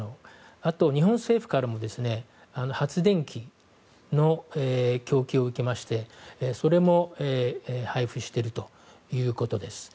あと日本政府からも発電機の供給を受けましてそれも配布しているということです。